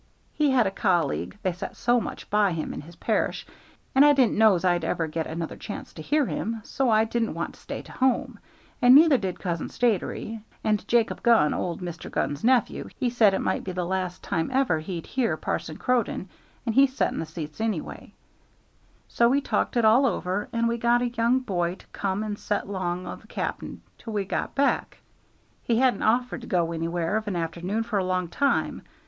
He had a colleague, they set so much by him in his parish, and I didn't know's I'd ever get another chance to hear him, so I didn't want to stay to home, and neither did Cousin Statiry; and Jacob Gunn, old Mr. Gunn's nephew, he said it might be the last time ever he'd hear Parson Croden, and he set in the seats anyway; so we talked it all over, and we got a young boy to come and set 'long of the cap'n till we got back. He hadn't offered to go anywhere of an afternoon for a long time.